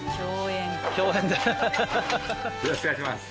よろしくお願いします。